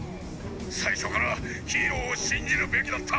最初からヒーローを信じるべきだった！